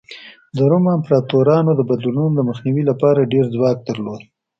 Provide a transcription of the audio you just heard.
د روم امپراتورانو د بدلونونو د مخنیوي لپاره ډېر ځواک درلود